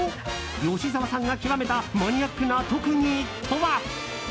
吉沢さんが極めたマニアックな特技とは？